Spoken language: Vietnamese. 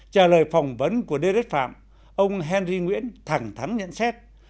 trả lời phỏng vấn của dert phạm ông henry nguyễn thẳng thắn nhận xét